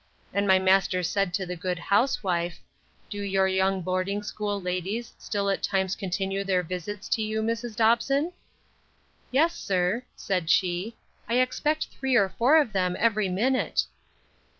And my master said to the good housewife, Do your young boarding school ladies still at times continue their visits to you, Mrs. Dobson? Yes, sir, said she, I expect three or four of them every minute.